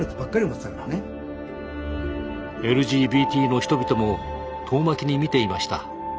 ＬＧＢＴの人々も遠巻きに見ていました。